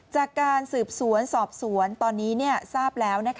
จากการสืบสวนสอบสวนตอนนี้ทราบแล้ว